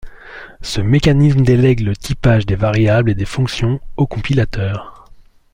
Ce mécanisme délègue le typage des variables et des fonctions au compilateur.